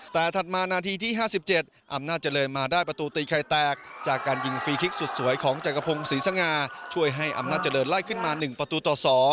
แต่ถัดมานาทีที่๕๗อำนาจเจริญมาได้ประตูตีไข่แตกจากการยิงฟรีคลิกสุดสวยของจักรพงศรีสง่าช่วยให้อำนาจเจริญไล่ขึ้นมา๑ประตูต่อ๒